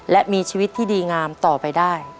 และมีชีวิตที่ดีงามต่อไปได้